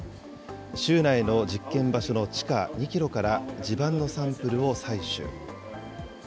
州内の実験場所の地下２キロから地盤のサンプルを採取。